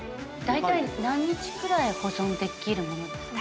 大体何日くらい保存できるものですか？